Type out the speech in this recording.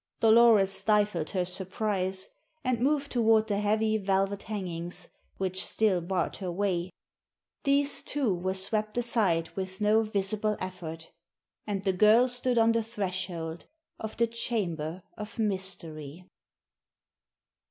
Dolores stifled her surprise, and moved toward the heavy velvet hangings which still barred her way. These, too, were swept aside with no visible effort, and the girl stood on the threshold of the chamber of mystery.